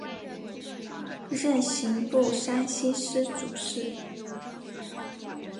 任刑部山西司主事。